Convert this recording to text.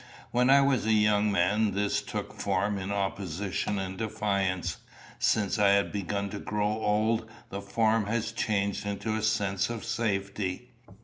When I was a young man this took form in opposition and defiance; since I had begun to grow old the form had changed into a sense of safety.